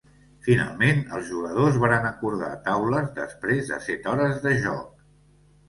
Finalment els jugadors varen acordar taules després de set hores de joc.